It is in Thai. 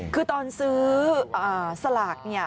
คือตอนซื้อสลากเนี่ย